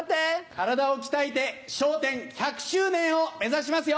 体を鍛えて『笑点』１００周年を目指しますよ！